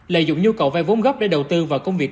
lợi dụng nhu cầu vay vốn góp để đầu tư vào công việc